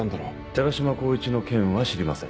寺島光一の件は知りません。